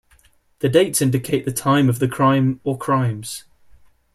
The dates indicate the time of the crime or crimes.